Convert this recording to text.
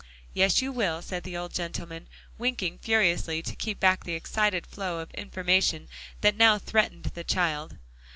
"Yes; you will," said the old gentleman, winking furiously to keep back the excited flow of information that now threatened the child.